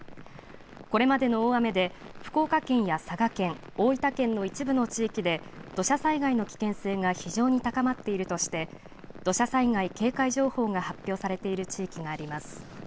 これまでの大雨で福岡県や佐賀県、大分県の一部の地域で土砂災害の危険性が非常に高まっているとしてい土砂災害警戒情報が発表されている地域があります。